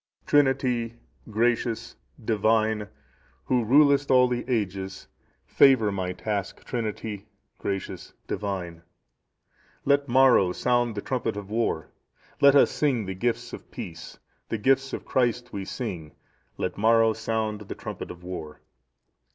"Trinity,(669) Gracious, Divine, Who rulest all the ages; favour my task, Trinity, Gracious, Divine. "Let Maro sound the trumpet of war, let us sing the gifts of peace; the gifts of Christ we sing, let Maro sound the trumpet of war.